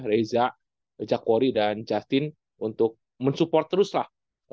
reza jack quarry dan justin untuk mensupport terus lah